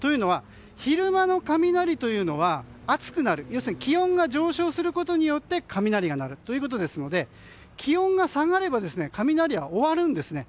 昼間の雷というのは暑くなる要するに気温が上昇することで雷が鳴るということですので気温が下がれば雷は終わるんですね。